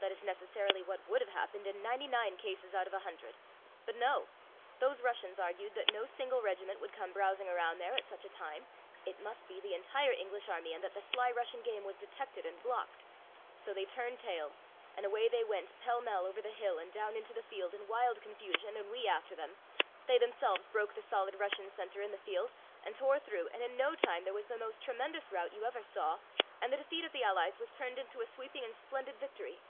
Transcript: That is necessarily what would have happened in ninety nine cases out of a hundred. But no, those Russians argued that no single regiment would come browsing around there at such a time. It must be the entire English army, and that the sly Russian game was detected and blocked; so they turned tail, and away they went, pell mell, over the hill and down into the field, in wild confusion, and we after them; they themselves broke the solid Russian center in the field, and tore through, and in no time there was the most tremendous rout you ever saw, and the defeat of the allies was turned into a sweeping and splendid victory!